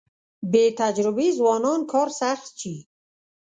بې تجربې ځوانان کار سخت شي.